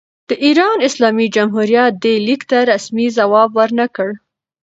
د ایران اسلامي جمهوریت دې لیک ته رسمي ځواب ور نه کړ.